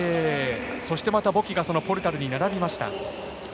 そして、ボキがまたポルタルに並びました。